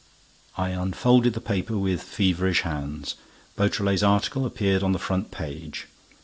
I unfolded the paper with feverish hands. Beautrelet's article appeared on the front page.